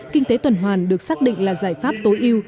kinh tế tuần hoàn được xác định là giải pháp tối ưu